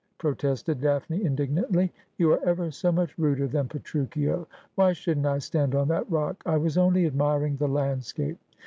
protested Daphne indignantly.. ' You are ever so much ruder than Petruchio. Why shouldn't I stand on that rock ? I was only admiring the landscape